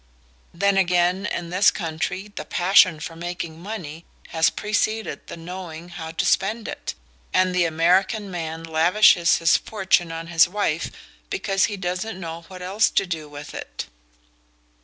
Then again, in this country the passion for making money has preceded the knowing how to spend it, and the American man lavishes his fortune on his wife because he doesn't know what else to do with it."